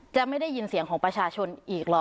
จะไม่ได้ยินเสียงของประชาชนอีกหรอ